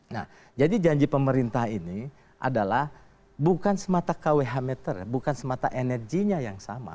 nah jadi janji pemerintah ini adalah bukan semata kwh meter bukan semata energinya yang sama